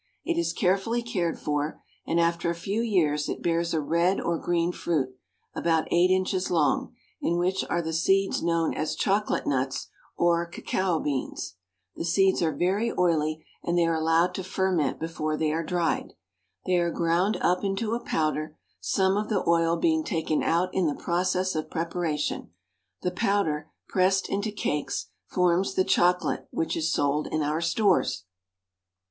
It is carefully cared for, and after a few years it bears a red or green fruit, about eight inches long, in which are the seeds known as chocolate nuts or cacao beans. The seeds are very oily, and they are allowed to ferment before they are dried. They are ground up into a powder, some of the oil being taken out in the process of preparation. The powder, pressed into cakes, forms the chocolate which is sold in our stores.